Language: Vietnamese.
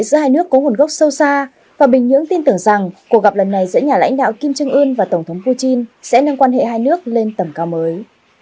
sâu xa và bình nhưỡng tin tưởng rằng cuộc gặp lần này giữa nhà lãnh đạo kim trương ươn và tổng thống putin sẽ nâng quan hệ hai nước lên tầm cao mới